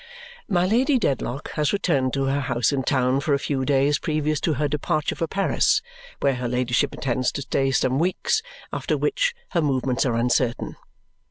My Lady Dedlock has returned to her house in town for a few days previous to her departure for Paris, where her ladyship intends to stay some weeks, after which her movements are uncertain.